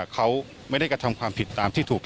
เขาไม่ได้กระทำความผิดตามที่ถูก